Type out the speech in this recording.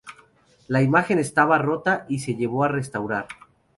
La imagen estaba rota y se llevó a restaurar.